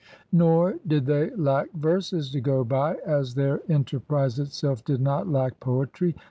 Nor did they lack verses to go by, as their enter prise itself did not lack poetry.